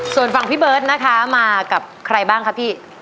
ส่วนฝั่งพี่เบิร์ตนะคะมากับใครบ้างคะพี่